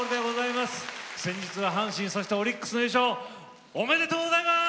先日は阪神そしてオリックスの優勝おめでとうございます！